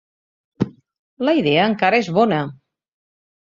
La idea encara és bona.